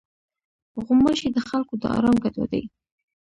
غوماشې د خلکو د آرام ګډوډوي.